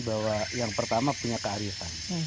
bahwa yang pertama punya kearifan